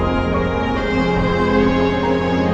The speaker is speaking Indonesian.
dan dengan sangat tulus